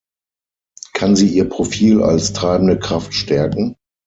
Kann sie ihr Profil als treibende Kraft stärken?